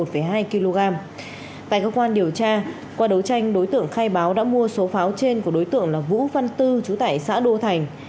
tại cơ quan điều tra qua đấu tranh đối tượng khai báo đã mua số pháo trên của đối tượng là vũ văn tư chú tại xã đô thành